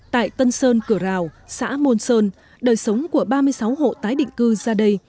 tại tân sơn cửa rào xã môn sơn đời sống của ba mươi sáu hộ tái định cư ra đây